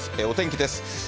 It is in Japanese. お天気です。